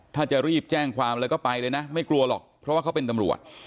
ถ้าจะรีบแจ้งความแล้วก็ไปเลยนะไม่กลัวหรอกเพราะว่าเขาเป็นตำรวจ